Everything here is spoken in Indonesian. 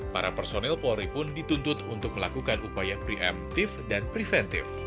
para personil polri pun dituntut untuk melakukan upaya pre emptive